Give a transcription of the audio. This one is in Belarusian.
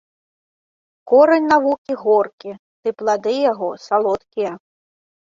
Корань навукі горкі, ды плады яго салодкія